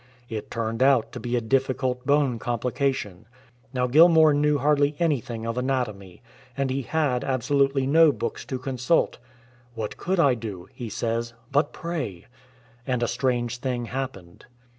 It turned out to be a difficult bone complication. Now Gilmour knew hardly anything of anatomy, and he had absolutely no books to consult. " What could I do," he says, " but pray ?" And a strange thing happened.